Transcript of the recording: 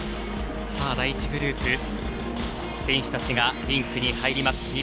第１グループ選手たちがリンクに入ります。